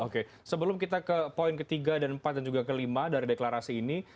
oke oke sebelum kita ke poin ke tiga dan ke empat dan juga ke lima dari deklarasi ini